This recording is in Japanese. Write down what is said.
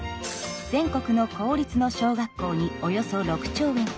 全国の公立の小学校におよそ６兆円。